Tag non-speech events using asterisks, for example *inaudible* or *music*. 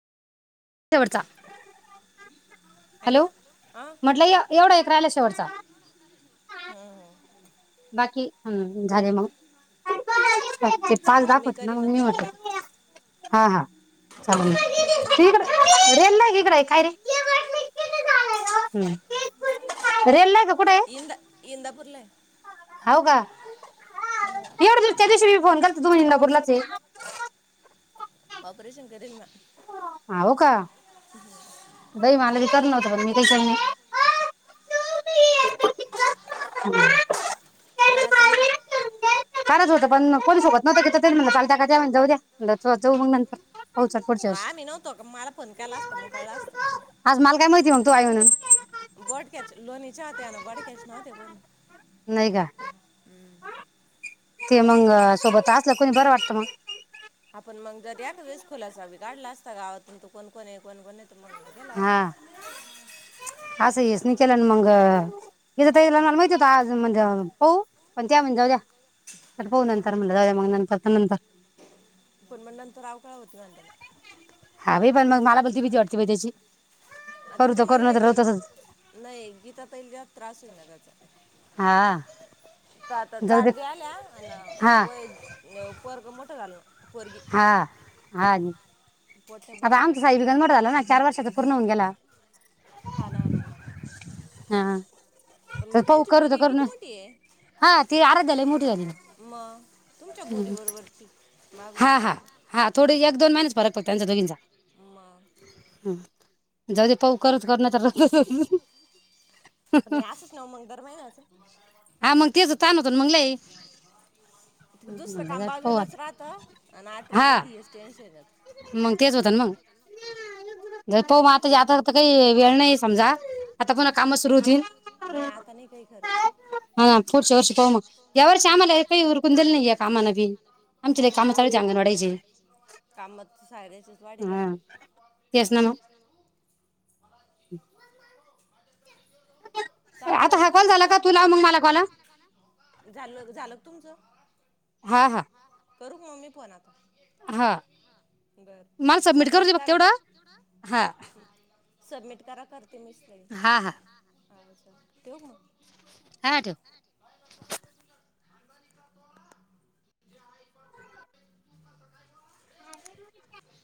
शेवटचा हॅलो हां म्हटलं य एवढ एक राहिल शेवटचा. चा हु हूं बाकी अम झालय मग पाच मग दाखवत ना करीन मग मी होत तुम्हाला हा हा चाल मी करीन त ना मग इकड तुम्हाला असं रेल नायी इकड काय रे? *unintelligible* हं इंद इंदा *unintelligible* हाव का एवढ दिवस त्या दिवशी मी फोन केलता तुम्ही इंदापूरला *inaudible* व ऑपरेशन करेल ना. हावो का? बई मला विचार नव्हता पण मी काही स हम्म कराच न मग काराच होत पण कोणी सोबत नव्हत की तरी ते म्हलं चालत्या का त्या म्हणल्या जाऊ द्या म्हणल जाऊ मग नंतर. पाहू चल पुढच्या वर्षी आमी नवतो का? मला फोन केला असता मग कळल असत. आज मला काय माहिती मग तू आई म्हणून बोडक्याच लोणीच्या होत्या ना बोडक्याच नव्हत्या कोणी नाही का अम ते मंग सोबत असल कोणी बर वाटत मगं आपण मग जर ते एखाद्या वेस खुलासा वी काढला असता गावातून तो कोण कोण ये, कोण कोण न हा अस हेच नाही केलन मंग इथ इला मला माहिती होत आज म्हणजे हाऊ पण त्या म्हण जाऊ द्या तर पाहू नंतर म्हलं जाऊ द्या मग नंतर तर नंतर. पण मग नंतर अवकळा होती म्हण त्यांना ती भीती वाटते बई ती आता तुम्हाला नाइ पण तसंच नाइ पण गीता ताईला जास्त त्रास होतयना त्याचा हा तर आता जाऊ दे जाडवी आल्या हा वय पोरग मोठ झाल ना पोरगी हां हां वर्षाचा पूर्ण होऊन गेला *inaudible* हा आ. पण त्यांची पोरगी किती मोठी आहे. हा ती आराध झाली मोठी झाली ना. मग तुमच्या पोरीबरोबरची. *inaudible* मग हा हा हा थोडे एक दोन महिनेच फरक पडतो त्यांचा दोघींचा जाऊदे पाहू करू तर करू नाही तर राहू देऊ. पण हे असंच ना मग दर महिन्याचं हा म तेच ताण होतो ना मग लय जाऊदे पाहू आता. आता आठ रोज हा जाते हेच टेन्शन. मग तेच होतं ना मंग. पाहू ते मग आताचा ते आतातर काही वेळ नाही समजा आता पुन्हा काम सुरू होतील. नाही आता नाही काही खरं हं पुढच्या वर्षी पाहू मग यावर्षी आम्हाला एकही उरकून दिलं नाही या कामाने आमची लय काम चालली ती अंगणवाडीची. काम साऱ्यांचेच हा वाढील्यात. *inaudible* चाला आता करू हा की कॉल मी झाला का बंद तू लाव मग मला कॉल झालं झालं तुमचं. हा हा. करू मम्मी फोनाक. हा. माल सबमिट करू दे बग तेवढं. *inaudible* *inaudible* हा हा ठेव मग. हा ठेव. *inaudible*